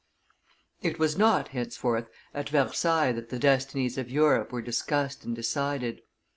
It was not, henceforth, at Versailles that the destinies of Europe were discussed and decided.